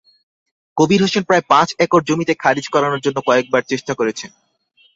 কবির হোসেন প্রায় পাঁচ একর জমি খারিজ করানোর জন্য কয়েকবার চেষ্টা করেছেন।